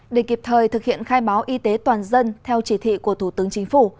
để kịp thời thực hiện khai báo y tế toàn dân theo chỉ thị của thủ tướng chính phủ